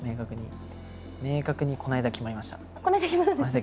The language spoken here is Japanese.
この間決まったんですね。